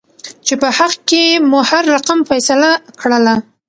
چې په حق کې مو هر رقم فيصله کړله.